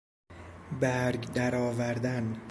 برگ درآوردن